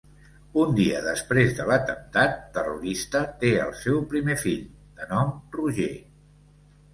Un dia després de l'atemptat terrorista té el seu primer fill, de nom Roger.